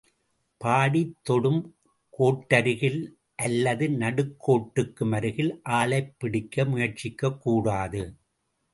பாடித் தொடும் கோட்டருகில் அல்லது நடுக் கோட்டுக்கு அருகில் ஆளைப் பிடிக்க முயற்சிக்கக் கூடாது.